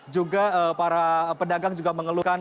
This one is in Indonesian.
juga para pedagang juga mengeluhkan